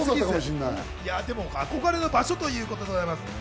でも憧れの場所ということです。